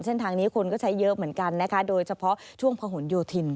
เส้นทางนี้คนก็ใช้เยอะเหมือนกันนะคะโดยเฉพาะช่วงพะหนโยธิน